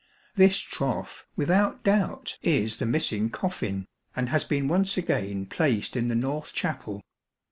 This trough, with out doubt, is the missing coffin, and has been once again placed in the north chapel.